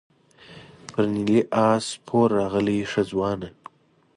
پر نیلي آس سپره راغلې ښه ځوانه.